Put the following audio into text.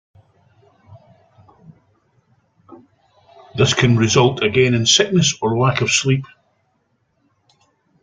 This can result, again, in sickness or lack of sleep.